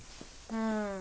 うん。